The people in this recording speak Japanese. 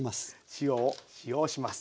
塩を使用します。